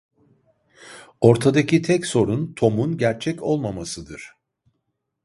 Ortadaki tek sorun Tom'un gerçek olmamasıdır.